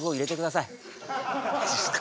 マジっすか。